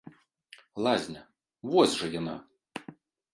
Лазня, вось жа яна.